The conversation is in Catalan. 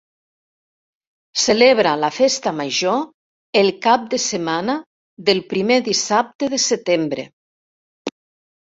Celebra la Festa Major el cap de setmana del primer dissabte de setembre.